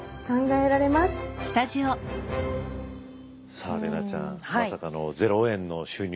さあ怜奈ちゃんまさかの０円の収入ですよ。